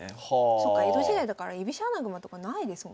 そっか江戸時代だから居飛車穴熊とかないですもんね。